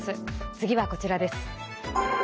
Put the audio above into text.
次はこちらです。